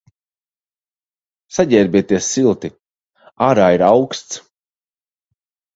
Saģērbieties silti, ārā ir auksts.